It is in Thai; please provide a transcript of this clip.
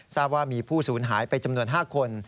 ทราบว่ามีผู้สูญหายไปจำนวน๕คน